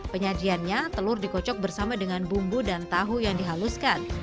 penyajiannya telur dikocok bersama dengan bumbu dan tahu yang dihaluskan